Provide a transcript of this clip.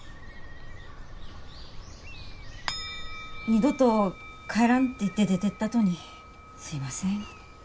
二度と帰らんって言って出てったとにすいません。